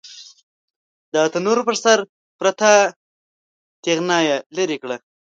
د تنور پر سر پرته تېغنه يې ليرې کړه.